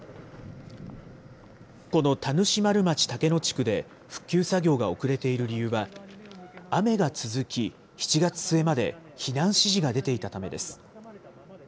この田主丸町竹野地区で復旧作業が遅れている理由は、雨が続き、７月末まで避難指示が出ていたためです。